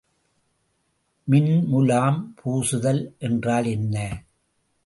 மின்முலாம் பூசுதல் என்றால் என்ன?